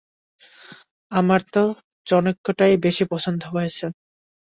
আমার তো চৈনিকাটাই বেশি পছন্দ হয়েছে।